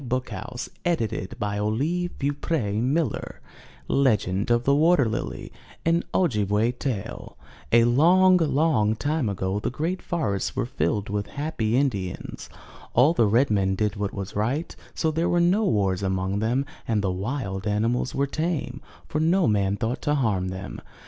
ii6 UP ONE PAIR OF STAIRS >M£^A=*« ^ci Cir LEGEND OF THE WATER LILY An Ojibway Tale A long, long time ago the great forests were filled with happy Indians. All the red men did what was right, so there were no wars among them, and the wild animals were tame, for no man thought to harm them.